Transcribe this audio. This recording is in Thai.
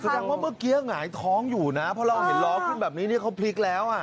สมมุติว่าเมื่อกี้อ่ะหงายท้องอยู่นะเพราะเราเห็นร้องขึ้นแบบนี้นี่เขาพลิกแล้วอ่ะ